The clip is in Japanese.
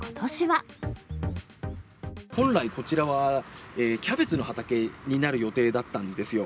本来、こちらはキャベツの畑になる予定だったんですよ。